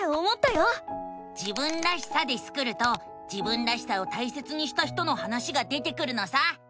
「自分らしさ」でスクると自分らしさを大切にした人の話が出てくるのさ！